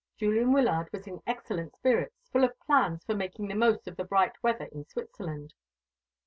Julian Wyllard was in excellent spirits, full of plans for making the most of the bright weather in Switzerland.